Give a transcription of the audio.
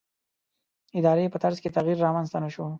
ادارې په طرز کې تغییر رامنځته نه شو.